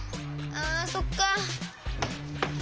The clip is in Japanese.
あっそっか。